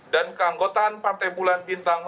dan keanggotaan partai bulan bintang